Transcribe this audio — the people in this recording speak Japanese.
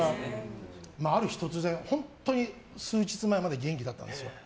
ある日突然本当に数日前まで元気だったんですよ。